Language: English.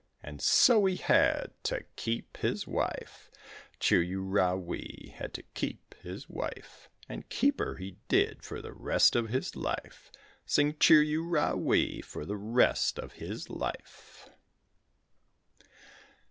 And so he had to keep his wife, Chir u ra wee, had to keep his wife, And keep her he did for the rest of his life. Sing chir u ra wee, for the rest of his life.